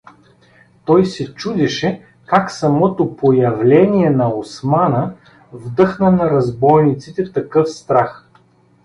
Той се чудеше как самото появление на Османа вдъхна на разбойниците такъв страх.